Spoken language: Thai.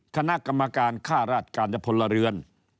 คณะกรรมการค่าราชการพลเรือน